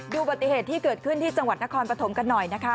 อุบัติเหตุที่เกิดขึ้นที่จังหวัดนครปฐมกันหน่อยนะคะ